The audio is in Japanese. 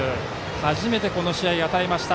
初めてこの試合、与えました。